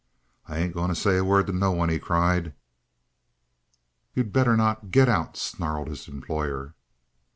"I ain't a going to say a word to no one!" he cried. "You'd better not! Get out!" snarled his employer.